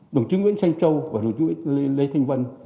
đồng chí nguyễn xanh châu và đồng chí lê thanh vân